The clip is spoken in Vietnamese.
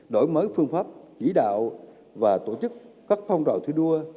đổi mới phương pháp chỉ đạo và tổ chức các phong trào thi đua